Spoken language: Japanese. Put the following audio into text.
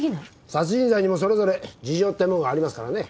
殺人罪にもそれぞれ事情ってもんがありますからね。